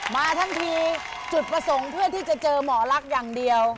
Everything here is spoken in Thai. มาทั้งทีจุดประสงค์เพื่อที่จะเจอหมอลักษณ์อย่างเดียว